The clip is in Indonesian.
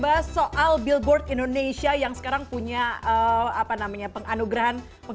baik dari penggemar kemudian potensial penggemar sampai ke